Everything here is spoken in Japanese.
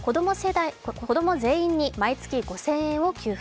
子供全員に毎月５０００円を給付。